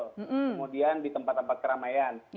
kemudian di tempat tempat keramaian